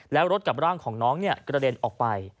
แล้วรถกับร่างของน้องกระเด็นออกไป